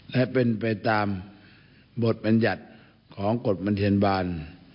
ให้เป็นไปตามบทบัญญัติของกฎบันเทียนบาล